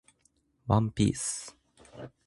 ワンピース